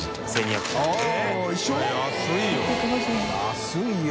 △安いよ。